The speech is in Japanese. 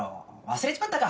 忘れちまったか？